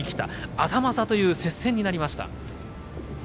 アタマ差という接戦になりました。